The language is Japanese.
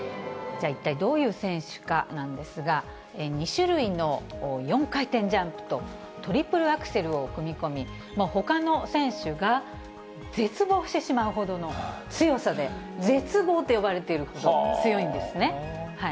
じゃあ、一体どういう選手かなんですが、２種類の４回転ジャンプと、トリプルアクセルを組み込み、ほかの選手が絶望してしまうほどの強さで、絶望と呼ばれているほど強いんですね。